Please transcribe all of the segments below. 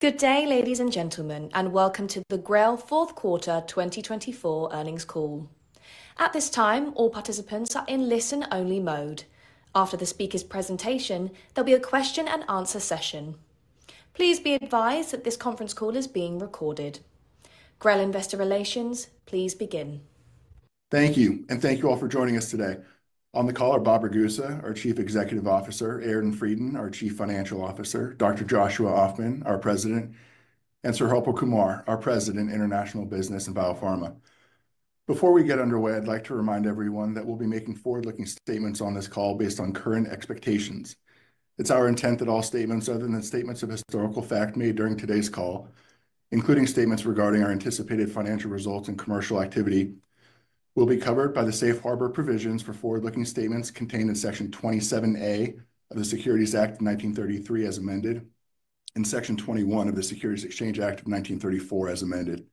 Good day, ladies and gentlemen, and welcome to the GRAIL Q4 2024 earnings call. At this time, all participants are in listen-only mode. After the speaker's presentation, there'll be a question-and-answer session. Please be advised that this conference call is being recorded. GRAIL Investor Relations, please begin. Thank you, and thank you all for joining us today. On the call are Bob Ragusa, our Chief Executive Officer, Aaron Freidin, our Chief Financial Officer, Dr. Joshua Ofman, our President, and Sir Harpal Kumar, our President, International Business and Biopharma. Before we get underway, I'd like to remind everyone that we'll be making forward-looking statements on this call based on current expectations. It's our intent that all statements other than statements of historical fact made during today's call, including statements regarding our anticipated financial results and commercial activity, will be covered by the safe harbor provisions for forward-looking statements contained in Section 27A of the Securities Act of 1933, as amended, and Section 21E of the Securities Exchange Act of 1934, as amended.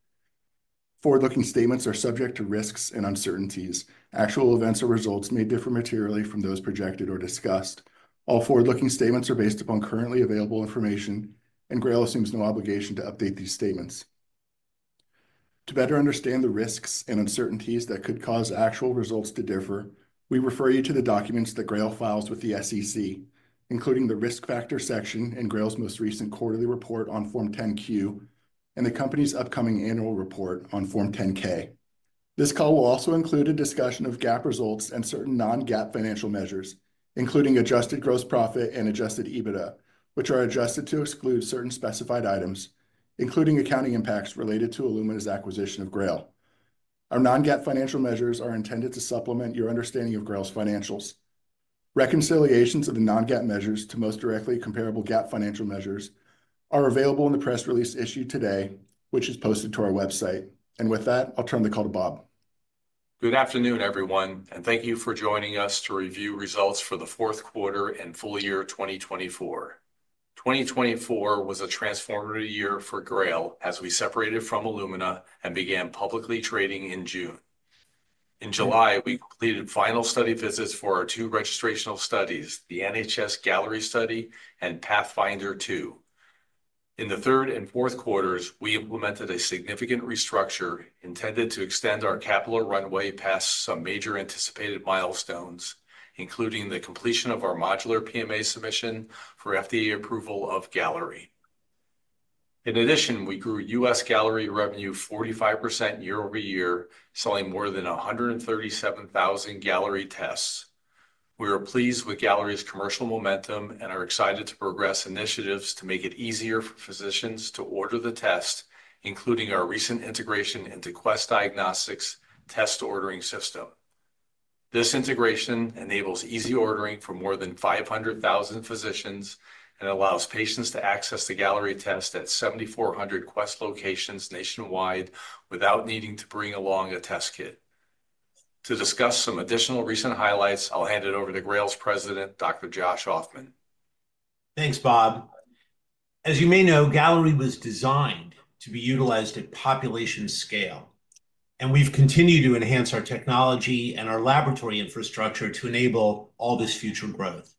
Forward-looking statements are subject to risks and uncertainties. Actual events or results may differ materially from those projected or discussed. All forward-looking statements are based upon currently available information, and GRAIL assumes no obligation to update these statements. To better understand the risks and uncertainties that could cause actual results to differ, we refer you to the documents that GRAIL files with the SEC, including the risk factor section in GRAIL's most recent quarterly report on Form 10-Q and the company's upcoming annual report on Form 10-K. This call will also include a discussion of GAAP results and certain non-GAAP financial measures, including adjusted gross profit and Adjusted EBITDA, which are adjusted to exclude certain specified items, including accounting impacts related to Illumina's acquisition of GRAIL. Our non-GAAP financial measures are intended to supplement your understanding of GRAIL's financials. Reconciliations of the non-GAAP measures to most directly comparable GAAP financial measures are available in the press release issued today, which is posted to our website. With that, I'll turn the call to Bob. Good afternoon, everyone, and thank you for joining us to review results for Q4 and full year 2024. 2024 was a transformative year for GRAIL as we separated from Illumina and began publicly trading in June. In July, we completed final study visits for our two registrational studies, the NHS-Galleri study and PATHFINDER 2. In the third and fourth quarters, we implemented a significant restructure intended to extend our capital runway past some major anticipated milestones, including the completion of our modular PMA submission for FDA approval of Galleri. In addition, we grew U.S. Galleri revenue 45% year-over-year, selling more than 137,000 Galleri tests. We are pleased with Galleri's commercial momentum and are excited to progress initiatives to make it easier for physicians to order the test, including our recent integration into Quest Diagnostics' test ordering system. This integration enables easy ordering for more than 500,000 physicians and allows patients to access the Galleri test at 7,400 Quest locations nationwide without needing to bring along a test kit. To discuss some additional recent highlights, I'll hand it over to GRAIL's President, Dr. Joshua Ofman. Thanks, Bob. As you may know, Galleri was designed to be utilized at population scale, and we've continued to enhance our technology and our laboratory infrastructure to enable all this future growth.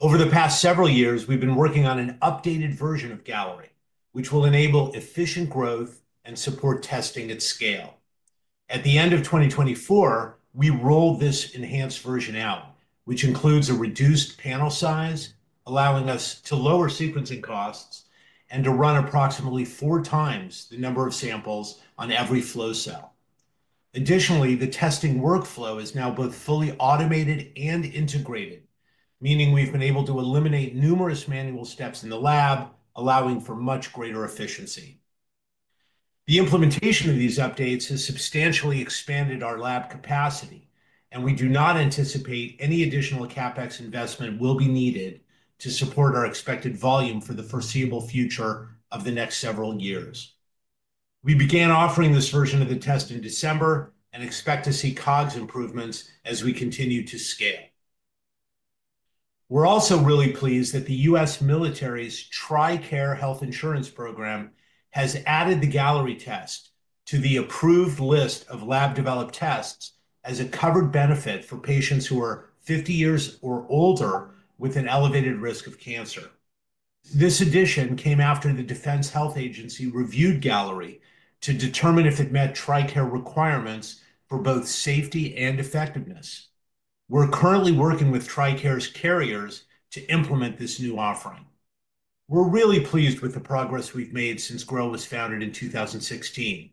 Over the past several years, we've been working on an updated version of Galleri, which will enable efficient growth and support testing at scale. At the end of 2024, we rolled this enhanced version out, which includes a reduced panel size, allowing us to lower sequencing costs and to run approximately four times the number of samples on every flow cell. Additionally, the testing workflow is now both fully automated and integrated, meaning we've been able to eliminate numerous manual steps in the lab, allowing for much greater efficiency. The implementation of these updates has substantially expanded our lab capacity, and we do not anticipate any additional CapEx investment will be needed to support our expected volume for the foreseeable future of the next several years. We began offering this version of the test in December and expect to see COGS improvements as we continue to scale. We're also really pleased that the U.S. military's TRICARE health insurance program has added the Galleri test to the approved list of lab-developed tests as a covered benefit for patients who are 50 years or older with an elevated risk of cancer. This addition came after the Defense Health Agency reviewed Galleri to determine if it met TRICARE requirements for both safety and effectiveness. We're currently working with TRICARE's carriers to implement this new offering. We're really pleased with the progress we've made since GRAIL was founded in 2016.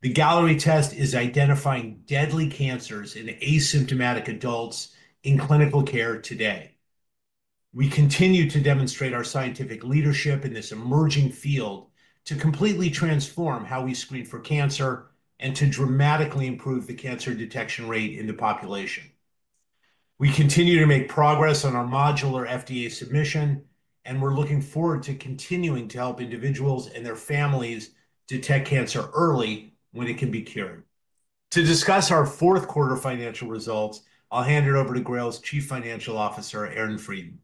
The Galleri test is identifying deadly cancers in asymptomatic adults in clinical care today. We continue to demonstrate our scientific leadership in this emerging field to completely transform how we screen for cancer and to dramatically improve the cancer detection rate in the population. We continue to make progress on our modular FDA submission, and we're looking forward to continuing to help individuals and their families detect cancer early when it can be cured. To discuss our Q4 financial results, I'll hand it over to GRAIL's Chief Financial Officer, Aaron Freidin.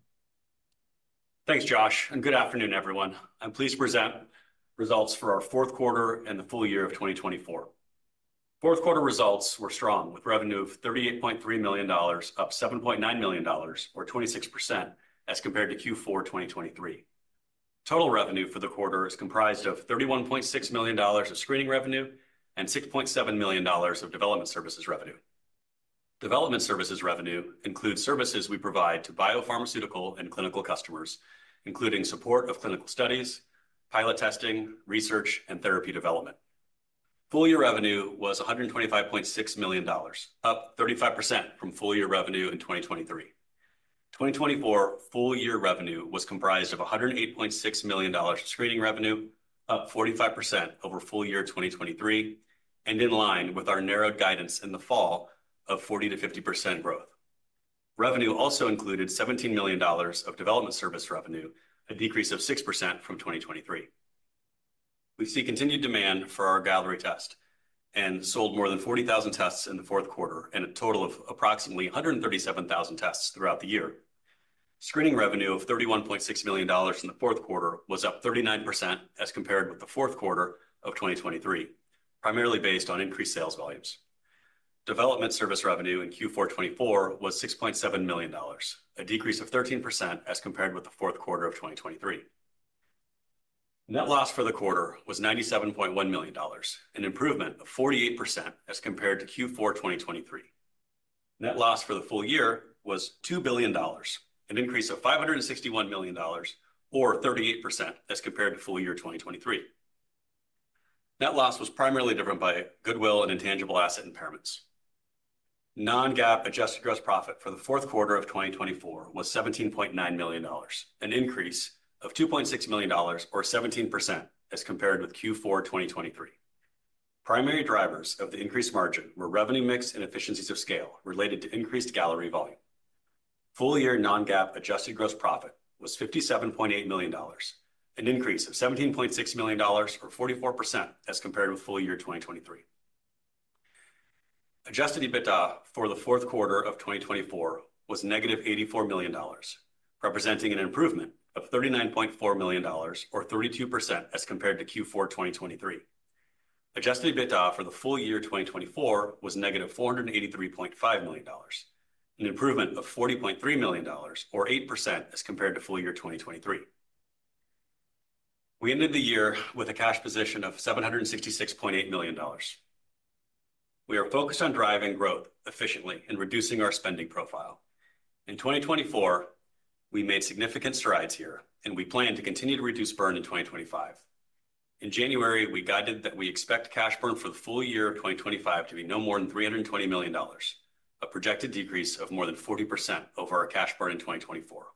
Thanks, Josh, and good afternoon, everyone. I'm pleased to present results for Q4 and the full year of 2024. Q4 results were strong, with revenue of $38.3 million, up $7.9 million, or 26%, as compared to Q4 2023. Total revenue for the quarter is comprised of $31.6 million of screening revenue and $6.7 million of development services revenue. Development services revenue includes services we provide to biopharmaceutical and clinical customers, including support of clinical studies, pilot testing, research, and therapy development. Full year revenue was $125.6 million, up 35% from full year revenue in 2023. 2024 full year revenue was comprised of $108.6 million screening revenue, up 45% over full year 2023, and in line with our narrowed guidance in the fall of 40%-50% growth. Revenue also included $17 million of development service revenue, a decrease of 6% from 2023. We see continued demand for our Galleri test and sold more than 40,000 tests in Q4 and a total of approximately 137,000 tests throughout the year. Screening revenue of $31.6 million in Q4 was up 39% as compared with Q4 of 2023, primarily based on increased sales volumes. Development service revenue in Q4 2024 was $6.7 million, a decrease of 13% as compared with Q4 of 2023. Net loss for the quarter was $97.1 million, an improvement of 48% as compared to Q4 2023. Net loss for the full year was $2 billion, an increase of $561 million, or 38% as compared to full year 2023. Net loss was primarily driven by goodwill and intangible asset impairments. Non-GAAP adjusted gross profit for Q4 of 2024 was $17.9 million, an increase of $2.6 million, or 17%, as compared with Q4 2023. Primary drivers of the increased margin were revenue mix and economies of scale related to increased Galleri volume. Full year non-GAAP adjusted gross profit was $57.8 million, an increase of $17.6 million, or 44%, as compared with full year 2023. Adjusted EBITDA for Q4 of 2024 was negative $84 million, representing an improvement of $39.4 million, or 32%, as compared to Q4 2023. Adjusted EBITDA for full year 2024 was negative $483.5 million, an improvement of $40.3 million, or 8%, as compared to full year 2023. We ended the year with a cash position of $766.8 million. We are focused on driving growth efficiently and reducing our spending profile. In 2024, we made significant strides here, and we plan to continue to reduce burn in 2025. In January, we guided that we expect cash burn for full year 2025 to be no more than $320 million, a projected decrease of more than 40% over our cash burn in 2024.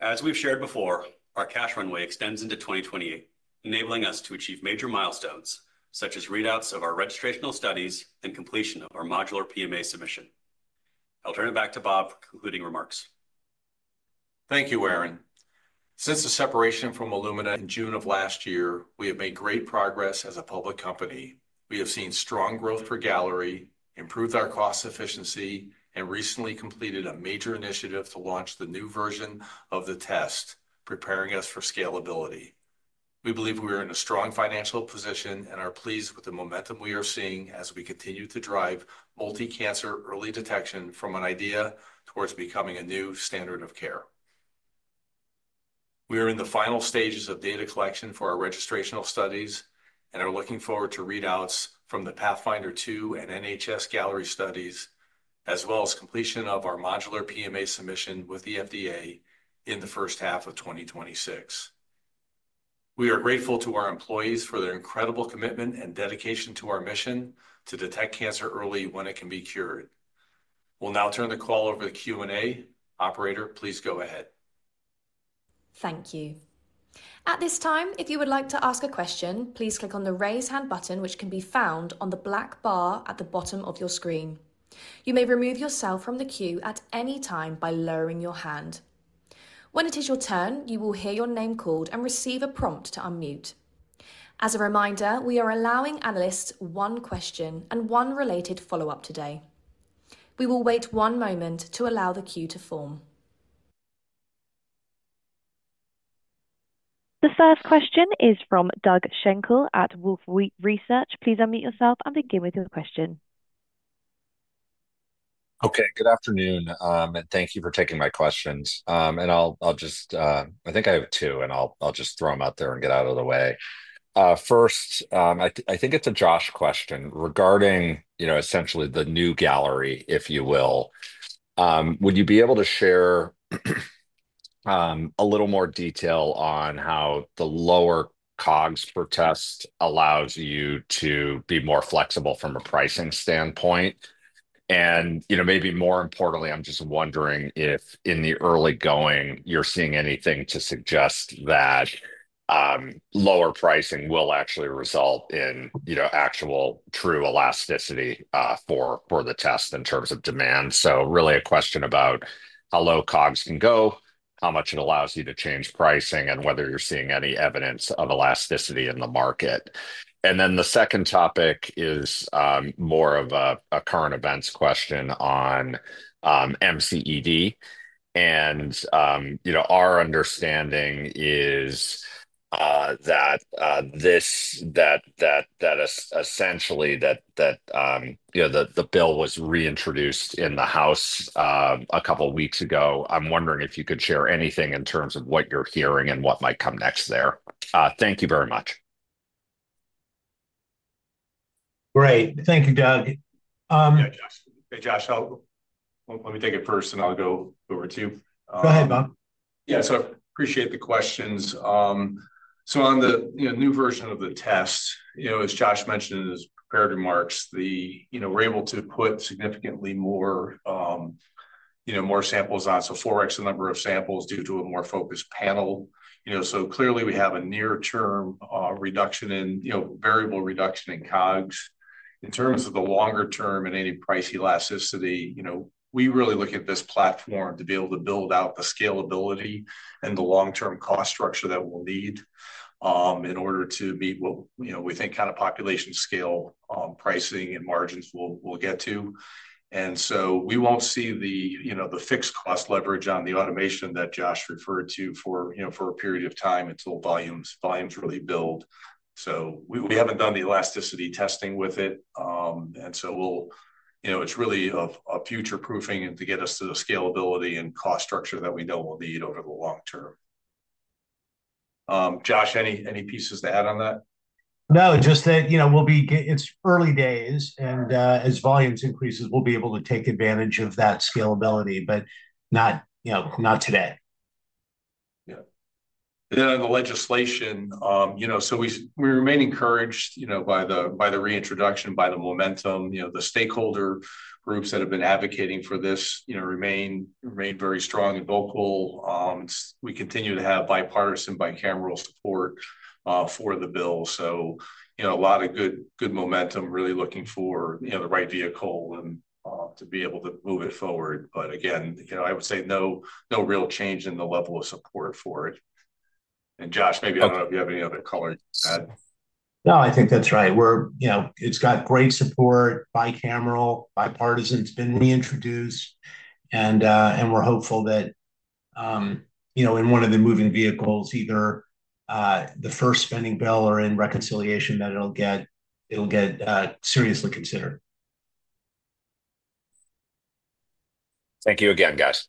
As we've shared before, our cash runway extends into 2028, enabling us to achieve major milestones such as readouts of our registrational studies and completion of our modular PMA submission. I'll turn it back to Bob for concluding remarks. Thank you, Aaron. Since the separation from Illumina in June of last year, we have made great progress as a public company. We have seen strong growth for Galleri, improved our cost efficiency, and recently completed a major initiative to launch the new version of the test, preparing us for scalability. We believe we are in a strong financial position and are pleased with the momentum we are seeing as we continue to drive multi-cancer early detection from an idea towards becoming a new standard of care. We are in the final stages of data collection for our registrational studies and are looking forward to readouts from the PATHFINDER 2 and NHS-Galleri studies, as well as completion of our modular PMA submission with the FDA in the first half of 2026. We are grateful to our employees for their incredible commitment and dedication to our mission to detect cancer early when it can be cured. We'll now turn the call over to Q&A. Operator, please go ahead. Thank you. At this time, if you would like to ask a question, please click on the raise hand button, which can be found on the black bar at the bottom of your screen. You may remove yourself from the queue at any time by lowering your hand. When it is your turn, you will hear your name called and receive a prompt to unmute. As a reminder, we are allowing analysts one question and one related follow-up today. We will wait one moment to allow the queue to form. The first question is from Doug Schenkel at Wolfe Research. Please unmute yourself and begin with your question. Okay, good afternoon, and thank you for taking my questions. I'll just, I think I have two, and I'll just throw them out there and get out of the way. First, I think it's a Josh question regarding, you know, essentially the new Galleri, if you will. Would you be able to share a little more detail on how the lower COGS per test allows you to be more flexible from a pricing standpoint? And, you know, maybe more importantly, I'm just wondering if in the early going, you're seeing anything to suggest that lower pricing will actually result in, you know, actual true elasticity for the test in terms of demand. So really a question about how low COGS can go, how much it allows you to change pricing, and whether you're seeing any evidence of elasticity in the market. And then the second topic is more of a current events question on MCED. You know, our understanding is that essentially, you know, the bill was reintroduced in the House a couple of weeks ago. I'm wondering if you could share anything in terms of what you're hearing and what might come next there? Thank you very much. Great. Thank you, Doug. Hey, Josh. Hey, Josh. Let me take it first, and I'll go over to you. Go ahead, Bob. Yeah, so I appreciate the questions. So on the new version of the test, you know, as Josh mentioned in his prepared remarks, you know, we're able to put significantly more, you know, more samples on, so 4x the number of samples due to a more focused panel. You know, so clearly we have a near-term reduction in, you know, variable reduction in COGS. In terms of the longer term and any price elasticity, you know, we really look at this platform to be able to build out the scalability and the long-term cost structure that we'll need in order to meet what, you know, we think kind of population scale pricing and margins we'll get to. And so we won't see the, you know, the fixed cost leverage on the automation that Josh referred to for, you know, for a period of time until volumes really build. So we haven't done the elasticity testing with it. And so we'll, you know, it's really a future proofing to get us to the scalability and cost structure that we know we'll need over the long term. Josh, any pieces to add on that? No, just that, you know, we'll be. It's early days, and as volumes increase, we'll be able to take advantage of that scalability, but not, you know, not today. Yeah. And then on the legislation, you know, so we remain encouraged, you know, by the reintroduction, by the momentum, you know, the stakeholder groups that have been advocating for this, you know, remain very strong and vocal. We continue to have bipartisan, bicameral support for the bill. So, you know, a lot of good momentum, really looking for, you know, the right vehicle to be able to move it forward. But again, you know, I would say no real change in the level of support for it. And Josh, maybe I don't know if you have any other color to add. No, I think that's right. We're, you know, it's got great support, bicameral, bipartisan's been reintroduced, and we're hopeful that, you know, in one of the moving vehicles, either the first spending bill or in reconciliation that it'll get, it'll get seriously considered. Thank you again, guys.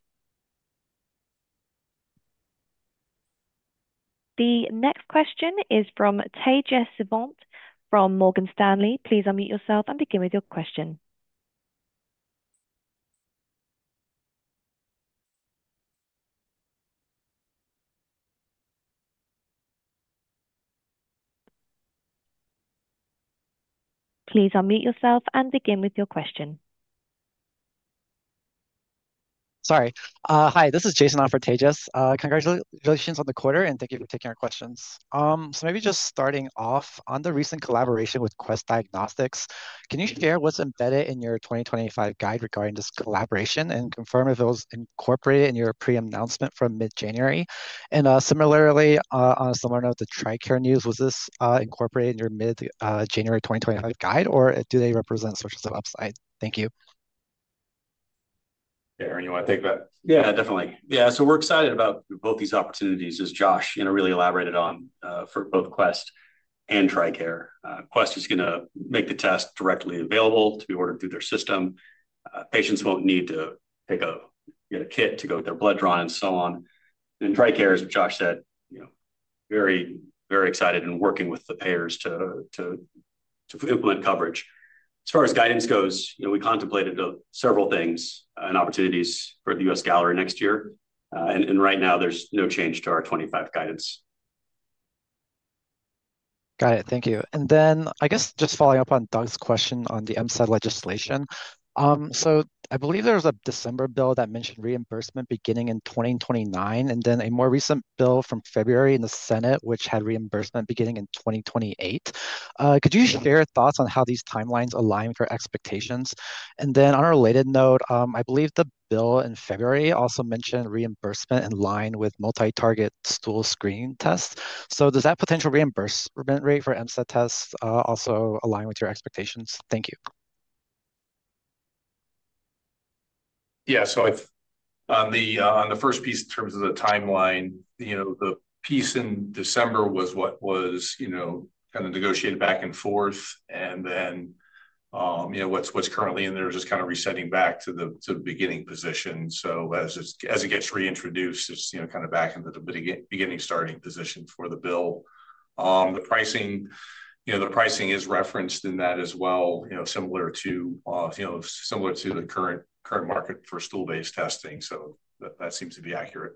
The next question is from Tejas Savant from Morgan Stanley. Please unmute yourself and begin with your question. Sorry. Hi, this is Jason on for Tejas. Congratulations on the quarter, and thank you for taking our questions, so maybe just starting off on the recent collaboration with Quest Diagnostics, can you share what's embedded in your 2025 guide regarding this collaboration and confirm if it was incorporated in your pre-announcement from mid-January, and similarly, on a similar note, the TRICARE news, was this incorporated in your mid-January 2025 guide, or do they represent sources of upside? Thank you. Yeah, Aaron, you want to take that? Yeah, definitely. Yeah, so we're excited about both these opportunities, as Josh, you know, really elaborated on for both Quest and TRICARE. Quest is going to make the test directly available to be ordered through their system. Patients won't need to pick up, get a kit to go get their blood drawn and so on. And TRICARE, as Josh said, you know, very, very excited and working with the payers to implement coverage. As far as guidance goes, you know, we contemplated several things and opportunities for the U.S. Galleri next year. And right now, there's no change to our '25 guidance. Got it. Thank you. And then I guess just following up on Doug's question on the MCED legislation. So I believe there was a December bill that mentioned reimbursement beginning in 2029, and then a more recent bill from February in the Senate, which had reimbursement beginning in 2028. Could you share thoughts on how these timelines align with your expectations? And then on a related note, I believe the bill in February also mentioned reimbursement in line with multi-target stool screen tests. So does that potential reimbursement rate for MCED tests also align with your expectations? Thank you. Yeah, so on the first piece, in terms of the timeline, you know, the piece in December was what was, you know, kind of negotiated back and forth. And then, you know, what's currently in there is just kind of resetting back to the beginning position. So as it gets reintroduced, it's, you know, kind of back into the beginning starting position for the bill. The pricing, you know, the pricing is referenced in that as well, you know, similar to, you know, similar to the current market for stool-based testing. So that seems to be accurate.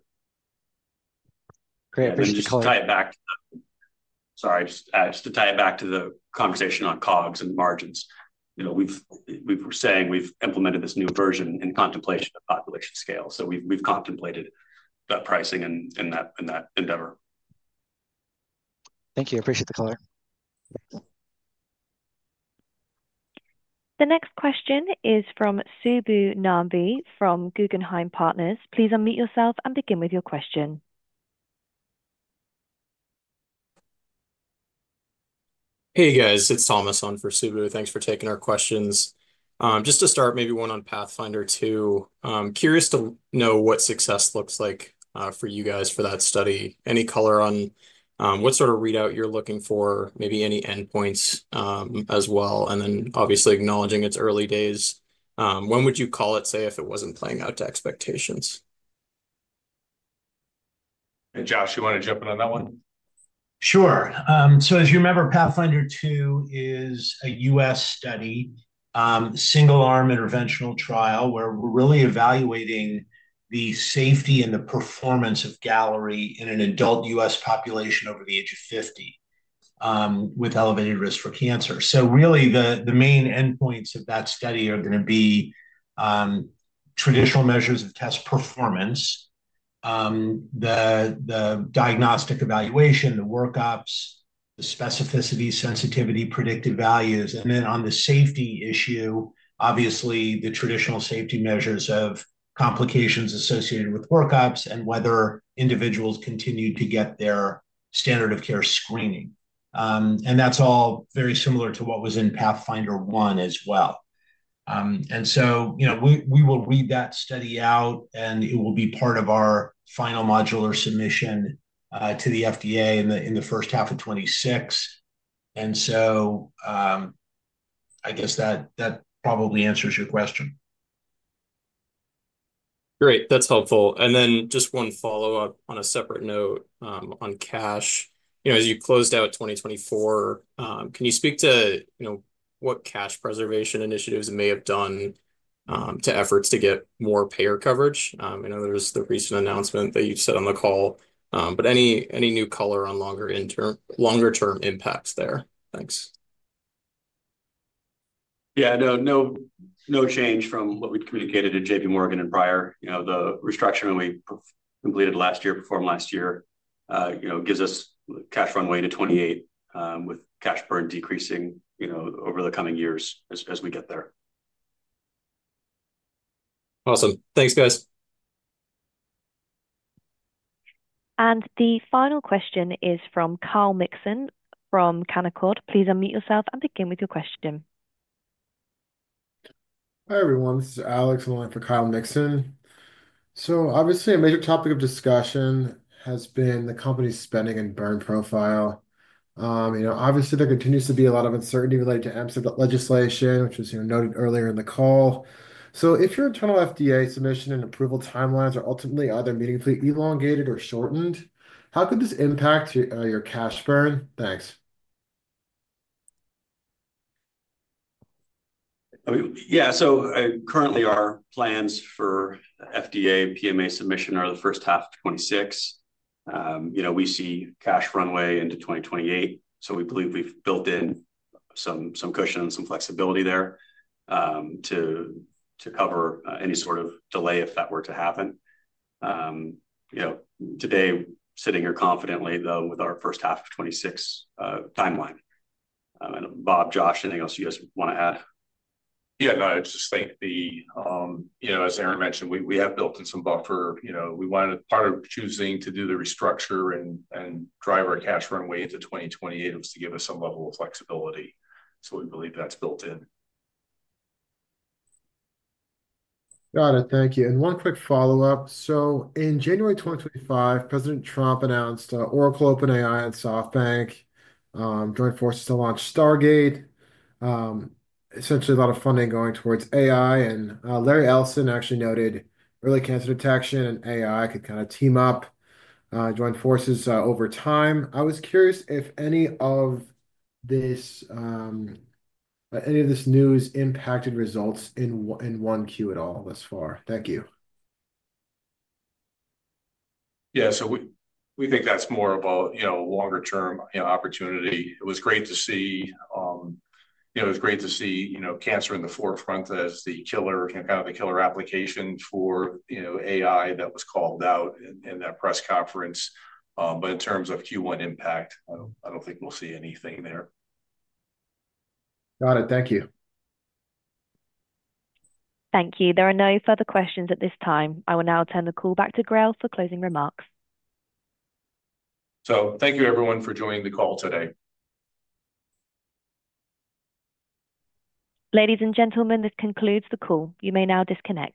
Great. Just to tie it back to, sorry, just to tie it back to the conversation on COGS and margins, you know, we've been saying we've implemented this new version in contemplation of population scale. So we've contemplated that pricing in that endeavor. Thank you. Appreciate the color. The next question is from Subbu Nambi from Guggenheim Partners. Please unmute yourself and begin with your question. Hey, guys. It's Thomas on for Subbu. Thanks for taking our questions. Just to start, maybe one on PATHFINDER 2. Curious to know what success looks like for you guys for that study. Any color on what sort of readout you're looking for, maybe any endpoints as well. And then obviously acknowledging it's early days. When would you call it, say, if it wasn't playing out to expectations? Josh, you want to jump in on that one? Sure. So as you remember, PATHFINDER 2 is a U.S. study, single-arm interventional trial where we're really evaluating the safety and the performance of Galleri in an adult U.S. population over the age of 50 with elevated risk for cancer, so really the main endpoints of that study are going to be traditional measures of test performance, the diagnostic evaluation, the workups, the specificity, sensitivity, predictive values, and then on the safety issue, obviously the traditional safety measures of complications associated with workups and whether individuals continue to get their standard of care screening, and that's all very similar to what was in PATHFINDER 1 as well, and so, you know, we will read that study out, and it will be part of our final modular submission to the FDA in the first half of 2026. And so I guess that probably answers your question. Great. That's helpful, and then just one follow-up on a separate note on cash. You know, as you closed out 2024, can you speak to, you know, what cash preservation initiatives it may have done to efforts to get more payer coverage? I know there's the recent announcement that you've said on the call, but any new color on longer-term impacts there? Thanks. Yeah, no, no change from what we've communicated to J.P. Morgan and prior. You know, the restructuring we completed last year, performed last year, you know, gives us cash runway to 2028 with cash burn decreasing, you know, over the coming years as we get there. Awesome. Thanks, guys. The final question is from Kyle Mikson from Canaccord Genuity. Please unmute yourself and begin with your question. Hi, everyone. This is Alex, and I'm for Kyle Mikson. So obviously, a major topic of discussion has been the company's spending and burn profile. You know, obviously, there continues to be a lot of uncertainty related to MCED legislation, which was, you know, noted earlier in the call. So if your internal FDA submission and approval timelines are ultimately either meaningfully elongated or shortened, how could this impact your cash burn? Thanks. Yeah, so currently our plans for FDA PMA submission are the first half of 2026. You know, we see cash runway into 2028. So we believe we've built in some cushion and some flexibility there to cover any sort of delay if that were to happen. You know, today, sitting here confidently, though, with our first half of 2026 timeline. And Bob, Josh, anything else you guys want to add? Yeah, no, I just think the, you know, as Aaron mentioned, we have built in some buffer. You know, we wanted part of choosing to do the restructure and drive our cash runway into 2028 was to give us some level of flexibility. So we believe that's built in. Got it. Thank you. And one quick follow-up. So in January 2025, President Trump announced Oracle, OpenAI, and SoftBank joined forces to launch Stargate. Essentially, a lot of funding going towards AI. And Larry Ellison actually noted early cancer detection and AI could kind of team up, join forces over time. I was curious if any of this, any of this news impacted results in 1Q at all thus far. Thank you. Yeah, so we think that's more of a, you know, longer-term opportunity. It was great to see, you know, cancer in the forefront as the killer, you know, kind of the killer application for, you know, AI that was called out in that press conference. But in terms of Q1 impact, I don't think we'll see anything there. Got it. Thank you. Thank you. There are no further questions at this time. I will now turn the call back to GRAIL for closing remarks. So thank you, everyone, for joining the call today. Ladies and gentlemen, this concludes the call. You may now disconnect.